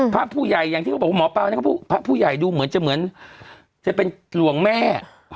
พระผู้ใหญ่อย่างที่เขาบอกว่าหมอปลาพระผู้ใหญ่ดูเหมือนจะเหมือนจะเป็นหลวงแม่